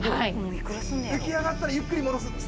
浮き上がったらゆっくり戻す。